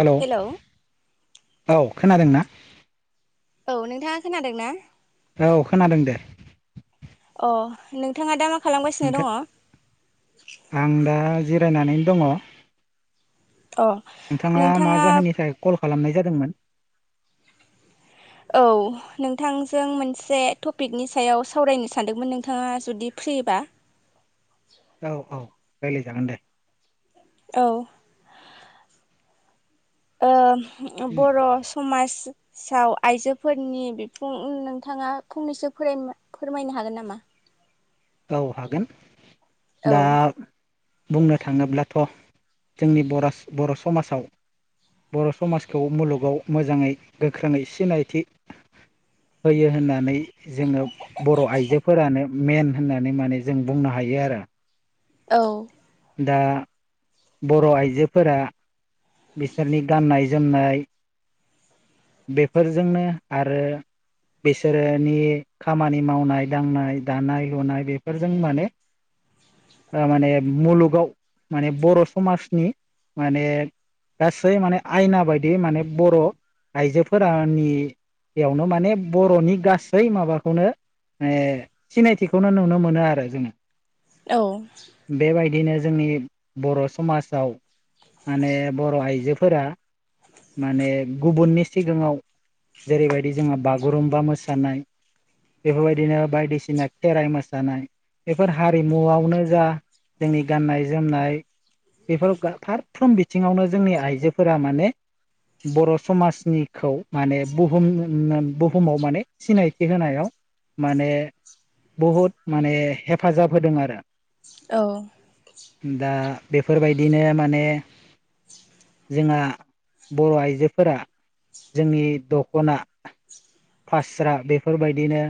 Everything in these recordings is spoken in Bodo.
हेलौ औ खोनादोंना? औ नोंथाङा खोनादों ना? औ खोनादों दे। अ नोंथाङा दा मा। खालामगासिनो दङ? ओमफ्राय आं दा जिरायनानै दङ। अ नोंथाङा मा नोंथाङा जाहोननि थाखाय कल खालामनाय जादों। मोन। औ नोंथांजों मोनसे टपिकनि सायाव सावरायनो सानदोंमोन नोंथाङा जुदि सोरनिबा औ औ रायलायजागोन दे। औ। ओ बर' समाज साव आइजोफोरनि बिफुं नोंथाङा फंनैसो फोरायनो फोरमायनो हागोन नामा। औ हागोन औ दा। बुंनो थाङोब्लाथ' जोंनि बरस बर' समाजाव। बर' समाजखौ मुलुगाव मोजाङै गोख्रोङै सिनायथि होयो होननानै। जोङो बर' आइजोफोरानो मेन होननानै माने जों बुंनो हायो आरो। औ। दा बर' आइजोफोरा बिसोरनि गाननाय जोमनाय। [unintelligible] बेफोरजोंनो आरो बिसोरोनि खामानि मावनाय दांनाय दानाय लुनाय बेफोरजों माने [unintelligible] ओ माने मुलुगाव माने बर' समाजनि माने। गासै माने आयना बादि माने बर' आइजोफोरानि। बेयावनो माने बर'नि गासै माबाखौनो। ओइ सिनायथिखौनो नुनो मोनो आरो जोङो। औ बेबायदिनो जोंनि बर' समाजाव माने। बर' आइजोफोरा माने गुबुननि सिगाङाव। जेरैबायदि जोंहा बागुरुम्बा मोसानाय। बेफोरबायदिनो बायदिसिना खेराइ मोसानाय। बेफोर हारिमुआवनो जा जोंनि गाननाय जोमनाय। बेफोर गा फारफ्रोम बिथिङावनो जोंनि आइजोफोरा माने। बर' समाजनिखौ माने बुहुम बुहुमाव माने सिनायथि होनायाव। माने बहुद माने हेफाजाब होदों आरो। औ। दा बेफोरबायदिनो माने। जोंहा बर' आइजोफोरा। जोंनि दख'ना फास्रा बेफोरबायदिनो।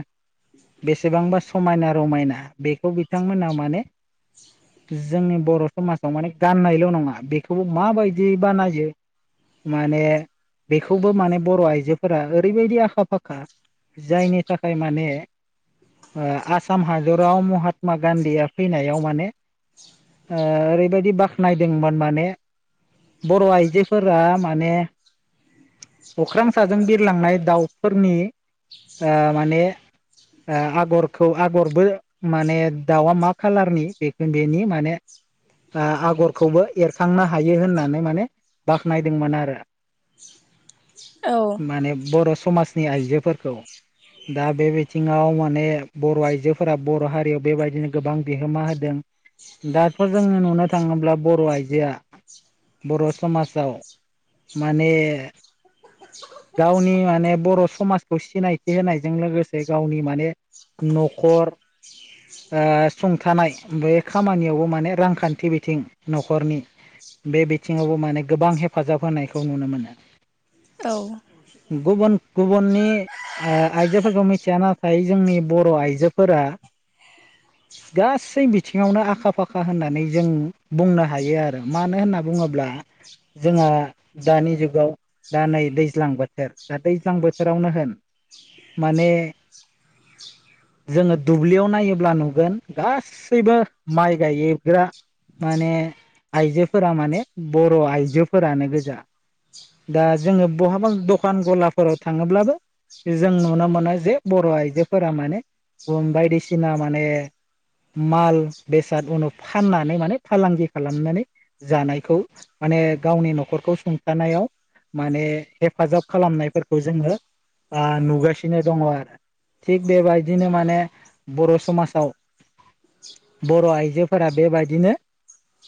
बेसेबांबा समायना रमायना बेखौ बिथांमोना माने। जोंनि बर' समाजाव माने गाननायल' नङा बेखौबो माबायदि बानायो। माने बेखौबो माने बर' आइजोफोरा ओरैबायदि आखा फाखा। जायनि थाखाय माने। ओ आसाम हादराव महात्मा गान्धीया फैनायाव माने। ओ ओरैबायदि बाख्नायदोंमोन माने। बर' आइजोफोरा माने। अख्रां साजों बिरलांनाय दाउफोरनि ओ माने। ओ आगरखौ आगरबो माने दाउआ मा खालारनि बेखो बेनि माने। ओ आगरखौबो एरखांना हायो होननानै माने बाख्नायदोंमोन आरो। माने बर' समाजनि आइजोफोरखौ दा बे बिथिङाव माने बर' आइजोफोरा बर' हारियाव बेबायदिनो गोबां बिहोमा होदों दाथ' जोङो नुनो थाङोब्ला बर' आइजोआ बर' समाजाव माने गावनि माने बर' समाजखौ सिनायथि होनायजों लोगोसे गावनि माने न'खर सुंथानाय बे खामानियावबो माने रांखान्थि बिथिं न'खरनि बे बिथिङावबो माने गोबां हेफाजाब होनायखौ नुनो मोनो। औ। गुबुन गुबुननि आइजोफोरखौ मिथिया नाथाय जोंनि बर' आइजोफोरा [inaudible] गासै बिथिङावनो आखा फाखा होननानै जों बुंनो हायो आरो मानो होनना बुङोब्ला जोंहा दानि जुगाव दा नै दै दैज्लां बोथोर दा दैज्लां बोथोरावनो होन माने [inaudible] जोङो दुब्लियाव नायोब्ला नुगोन गासैबो माइ गायोग्रा माने आइजोफोरा माने बर' आइजोफोरानो गोजा दा जोङो बहाबा दखान गलाफोराव थाङोब्लाबो जों नुनो मोनो जे बर' आइजोफोरा माने बायदिसिना माने माल बेसाद उनाव फाननानै माने फालांगि खालामनानै जानायखौ माने गावनि न'खरखौ सुंथानायाव माने हेफाजाब खालामनायफोरखौ जोङो नुगासिनो दङ आरो थिग बेबायदिनो माने बर' समाजाव बर' आइजोफोरा बेबायदिनो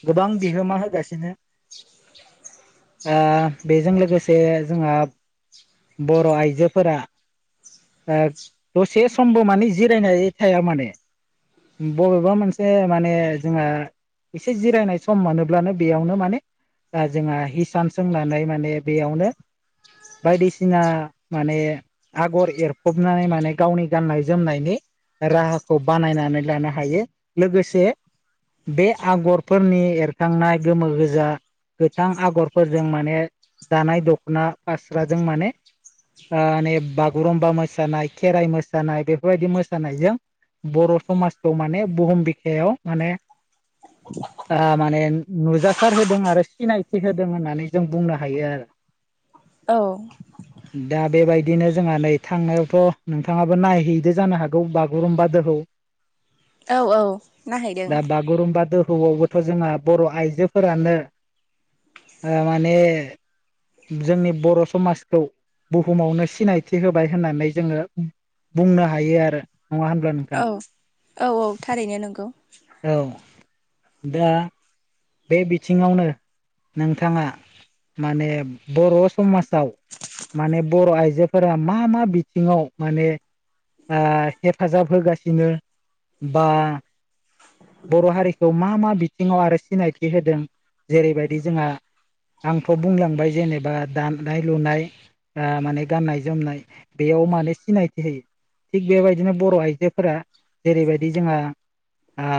गोबां बिहोमा होगासिनो ओ बेजों लोगोसे जोंहा बर' आइजोफोरा। ओ दसे समबो माने जिरायनानै थाया माने बबेबा मोनसे माने जोंहा एसे जिरायनाय सम मोनोब्लानो बेयावनो माने जोंहा हिसान सोंनानै माने बेयावनो बायदिसि सिना माने आगर एरफबनानै माने गावनि गाननाय जोमनायनि राहाखौ बानायनानै लानो हायो लोगोसे बे आगरफोरनि एरखांनाय गोमो गोजा गोथां आगरफोरजों माने दानाय दख'ना फास्राजों माने ओ नै बागुरुमबा मोसानाय खेराइ मोसानाय बेफोरबायदि मोसानायजों बर' समाजखौ माने बुहुम बिखायाव माने ओ माने नुजासार होदों आरो सिनायथि होदों होननानै जों बुंनो हायो आरो औ दा बेबायदिनो जोंहा नै थांनायावथ' नोंथाङाबो नायहैदो जानो हागौ बागुरुम्बा दोहौ। औ औ नायहैदों। दोहौ आवबो थ' जोंहा बर' आइजोफोरानो ओ माने जोंनि बर' समाज खौ बुहुमावनो सिनायथि होबाय होननानै जोङो बुंनो हायो आरो नङा होनब्ला नोंथां औ औ औ थारैनो नंगौ औ। दा बे बिथिङावनो। नोंथाङा माने बर' समाजाव माने बर' आइजोफोरा मा मा बिथिङाव माने ओ हेफाजाब होगासिनो बा बर' हारिखौ मा मा बिथिङाव आरो सिनायथि होदों जेरैबायदि जोंहा आंथ' बुंलांबाय जेनेबा दानाय लुनाय ओ माने गाननाय जोमनाय बेयाव मानो सिनायथि होयो थिग बेबायदिनो बर' आइजोफोरा जेरैबायदि जोंहा आ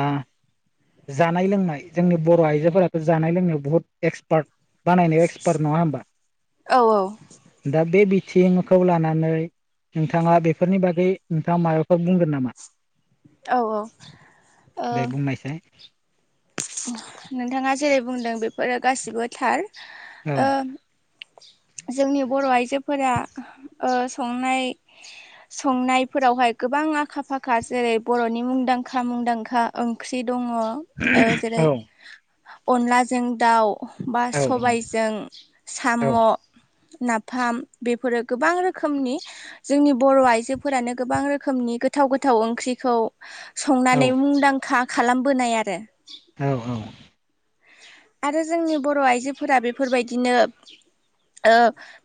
जानाय लोंनाय। जोंनि बर' आइजोफोराथ' जानाय लोंनायाव बुहुत एक्सपार्ट बानायनायाव एक्सपार्ट नङा होमबा। औ दा बे बिथिंखौ लानानै। नोंथाङा बेफोरनि बागै नोंथाङा माबाफोर बुंगोन नामा? औ औ ओ दे बुंनायसाय नोंथाङा जेरै बुंदों बेफोरो गासिबो थार औ ओ जोंनि बर' आइजोफोरा ओ संनाय संनायफोरावहाय गोबां आखा फाखा जेरै बर'नि मुंदांखा मुंदांखा ओंख्रि। दङ ओ जेरै औ अनलाजों दाउ। बा औ सबायजों औ साम'। नाफाम बेफोरो गोबां रोखोमनि जोंनि बर' आइजोफोरानो गोबां रोखोमनि। गोथाव गोथाव ओंख्रिखौ संनानै मुंदांखा खालामबोनाय आरो औ औ आरो जोंनि बर' आइजोफोरा बेफोरबायदिनो। ओ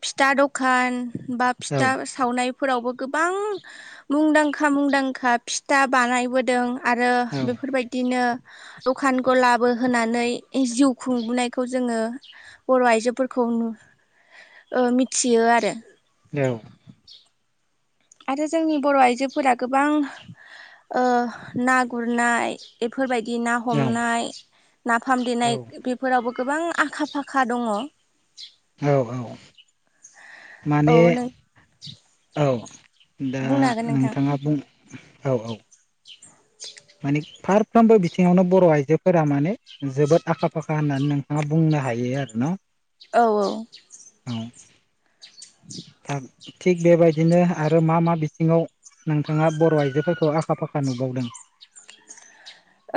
फिथा दखान बा फिथा सावनाय। फोरावबो गोबां मुंदांखा मुंदांखा फिथा बानायबोदों। आरो औ बेफोरबायदिनो दखान गलाबो होनानै। जिउ खुंबोनायखौ जोङो बर' आइजोफोरखौ नु ओ मिथियो आरो औ आरो जोंनि बर' आइजोफोरा गोबां। ओ ना गुरनाय बेफोरबाय गि ना औ हमनाय नाफाम औ देनाय बेफोरावबो गोबां आखा फाखा दङ। औ औ माने नों औ दा बुंनो हागोन नोंथां नोंथाङा बुं औ औ माने फारफ्रोमबो बिथिङावनो बर' आइजोफोरा माने जोबोद आखा फाखा होननानै नोंथाङा बुं नो हायो आरो न' औ औ [inaudible] थाब थिग बेबायदिनो आरो मा मा बिथिङाव नोंथाङा बर' आइजोफोरखौ आखा फाखा नुबावदों।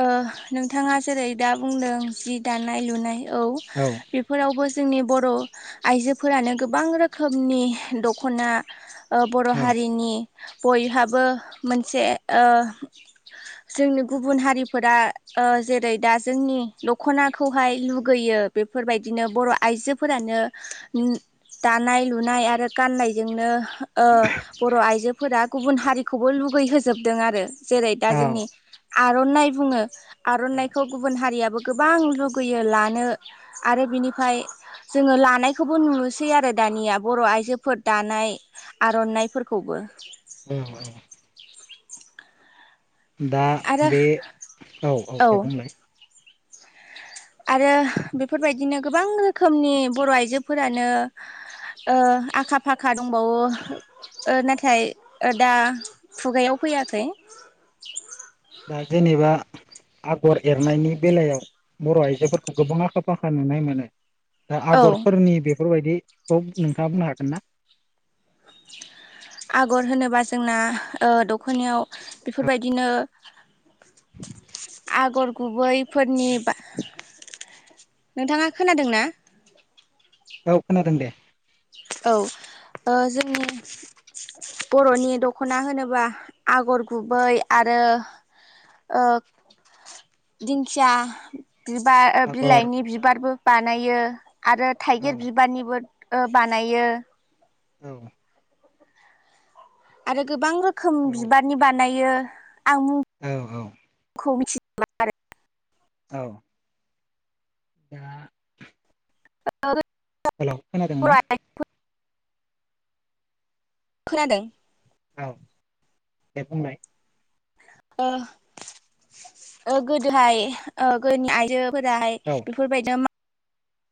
ओ नोंथाङा जेरै दा बुंदों जि दानाय लुनाय। औ बेफोरावबो जोंनि बर' आइजोफोरानो गोबां रोखोमनि दख'ना बर'ओ हारिनि। बयहाबो मोनसे ओ जोंनि गुबुन हारि फोरा ओ जेरै दा जोंनि दख'नाखौहाय लुगैयो बेफोरबायदिनो बर' आइ जोफोरानो दानाय लुनाय आरो गाननायजोंनो ओ बर' आइजो फोरा गुबुन हारिखौबो लुगैहजोबदों आरो जेरै दा औ जोंनि आर'नाइ बुङो आर'नाइखौ गुबुन हारियाबो गोबां लुगैयो लानो आरो बिनिफाय जोङो लानायखौबो नुसै आरो दानिया बर' आइजोफोर दानाय आर'नाइफोरखौबो। औ औ दा आरो बे औ औ दे बुंलाय आरो बेफोरबायदिनो गोबां रोखोमनि बर' आइजोफोरानो ओ आखा फाखा दंबावो। ओ नाथाय दा खुगायाव फैयाखै। दा जेनेबा आगर एरनायनि बेलायाव बर' आइजोफोरखौ गोबां आखा फाखा नुनाय मोनो। दा औ आगरफोरनि बेफोरबायदिखौ नोंथाङा बुंनो हागोन ना? आगर होनोबा जोंना ओ दख'नायाव बेफोरबायदिनो आगर गुबैफोरनि बा नोंथाङा खोनादों ना? औ खोनादों दे। औ ओ जोंनि बर'नि दख'ना होनोब्ला आगर गुबै आरो ओ दिंखिया बिबार आगर बिलाइनि बिबारबो बानायो। आरो औ थाइगिर बिबारनिबो ओ बानायो। औ आरो गोबां रोखोम औ बिबारनि बानायो आं मुं औ औ खौ मिथियो आरो औ दा [unintelligible] हेलौ खोनादों बर' ना? आइजो खोनादों। औ दे बुंनाय ओ ओ गोदोहाय ओ गोदोनि आइजो फोराहाय औ बेफोरबायदि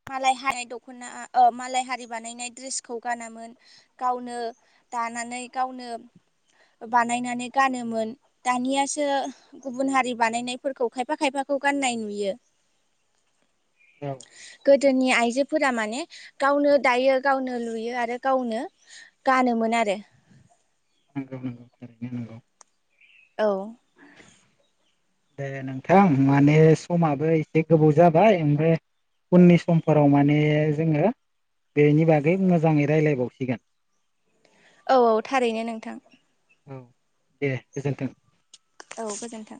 मालाय हानाय दख'ना औ मालाय हारि बानायनाय ड्रेसखौ गानामोन गावनो दानानै गावनो बानायनानै गानोमोन दानियासो गुबुन हारि बानायनायफोरखौ खायफा खायफाखौ खौ गान्नाय नुयो। औ गोदोनि आइजोफोरा माने गावनो दायो गावनो लुयो आरो गावनो गानोमोन मोन आरो नंगौ नंगौ थारैनो नंगौ औ दे नोंथां माने समाबो एसे गोबाव जाबाय ओमफ्राय उननि समफोराव माने जोङो बेनि बागै मोजाङै रायलायबावसिगोन औ औ थारैनो नोंथां औ दे गोजोनथों औ गोजोन्थों